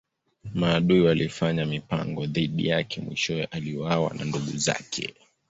Maadui walifanya mipango dhidi yake mwishowe aliuawa na ndugu zake.